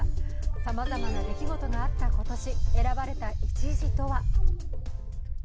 さまざまな出来事があった今年、選ばれた一字とは？